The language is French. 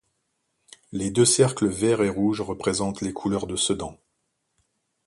Les deux cercles vert et rouge représentent les couleurs de Sedan.